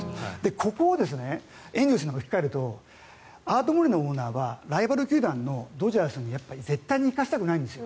これをエンゼルスに置き換えるとアート・モレノオーナーはライバル球団のドジャースに絶対に行かせたくないんです。